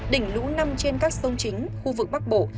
đỉnh lũ nằm trên các sông chính khu vực bắc bộ